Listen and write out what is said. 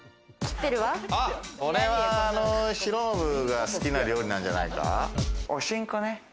これは浩信が好きな料理なんじゃないか？